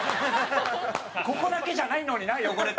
ここだけじゃないのにな汚れてるの。